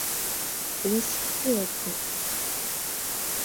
博斯科普是荷兰南荷兰省的一个镇的基层政权。